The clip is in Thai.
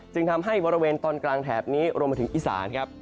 จึงทำให้บริเวณตอนกลางแถบนี้รวมไปถึงอีสานครับ